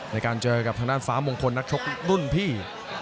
ในการเจอกับทางด้านฟ้ามงคลนักชกรุ่นพี่